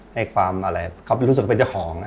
ให้ความอะไรเข้ารู้สึกเป็นเจ้าของนะฮะ